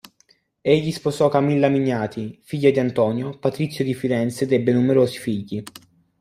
Egli sposò Camilla Miniati, figlia di Antonio, Patrizio di Firenze ed ebbe numerosi figli.